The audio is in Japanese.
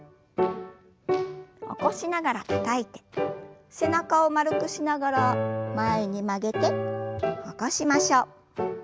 起こしながらたたいて背中を丸くしながら前に曲げて起こしましょう。